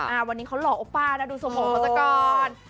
อ่าวันนี้เขาหลอกโอป้านะดูสมองเขาจากก่อน